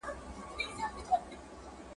کمپيوټر کنټرول لري.